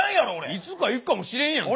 いつか行くかもしれんやんかお前。